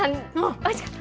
おいしかった？